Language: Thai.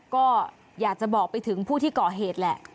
ก็อยากจะบอกไปถึงผู้ที่ก่อเหตุแหละ